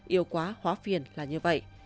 yêu quá hóa phiền là như vậy